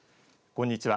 こんにちは。